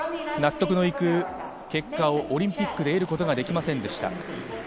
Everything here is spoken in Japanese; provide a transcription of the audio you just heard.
納得のいく結果をオリンピックに出ることができませんでした。